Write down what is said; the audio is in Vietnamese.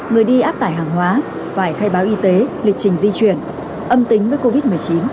người đi áp tải hàng hóa phải khai báo y tế lịch trình di chuyển âm tính với covid một mươi chín